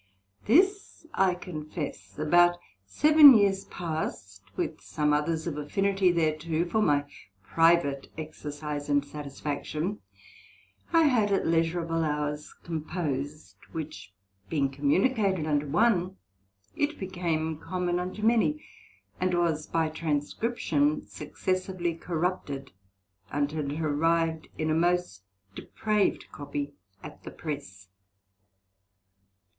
This, I confess, about seven years past, with some others of affinity thereto, for my private exercise and satisfaction, I had at leisurable hours composed; which being communicated unto one, it became common unto many, and was by Transcription successively corrupted, untill it arrived in a most depraved Copy at the Press.